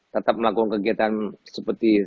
tetap melakukan kegiatan seperti